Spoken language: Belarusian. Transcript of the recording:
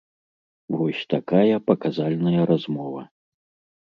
Вось такая паказальная размова.